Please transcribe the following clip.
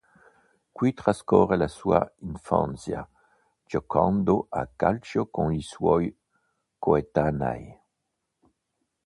Qui trascorre la sua infanzia, giocando a calcio con i suoi coetanei.